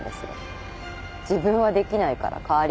自分はできないから代わりにやれって。